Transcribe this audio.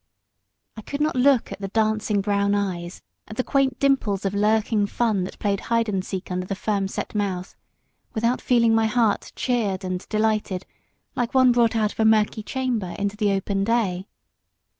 I could not look at the dancing brown eyes, at the quaint dimples of lurking fun that played hide and seek under the firm set mouth, without feeling my heart cheered and delighted, like one brought out of a murky chamber into the open day.